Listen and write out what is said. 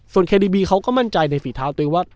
ส่วนเคดีอี้เค้าก็มั่นใจในฝีท้าตัวเองว่า